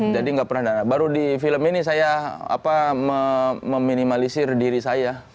jadi gak pernah baru di film ini saya meminimalisir diri saya